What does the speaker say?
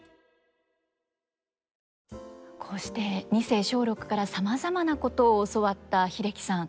こうして二世松緑からさまざまなことを教わった英樹さん。